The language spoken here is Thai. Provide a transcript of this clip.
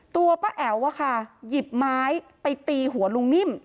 ตัวป้าแอ๋วอะค่ะหยิบไม้ไปตีหัวลุงนิ่ม